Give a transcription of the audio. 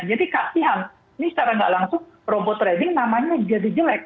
jadi kasihan ini secara nggak langsung robot trading namanya jadi jelek